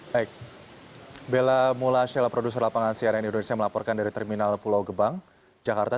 baik bella mullah produser lapangan siaran indonesia melaporkan dari terminal pulau gebang jakarta